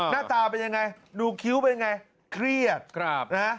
น่าตาไปยังไงดูคิ้วไปยังไงเครียด